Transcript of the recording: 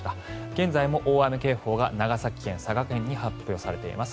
現在も大雨警報が長崎県、佐賀県に発表されています。